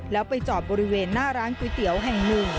แล้วไปจอดบริเวณหน้าร้านก๋วยเตี๋ยวแห่งหนึ่ง